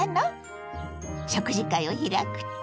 食事会を開くって？